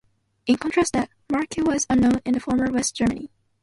In contrast the marque was unknown in the former West Germany.